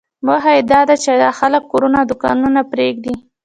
موخه یې داده چې دا خلک کورونه او دوکانونه پرېږدي.